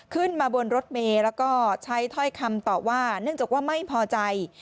ขึ้นมาบนรถเมย์แล้วก็ใช้ถ้อยคำตอบว่าเนื่องจากว่าไม่พอใจ